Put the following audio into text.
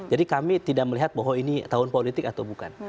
jadi kami tidak melihat bohong ini tahun politik atau bukan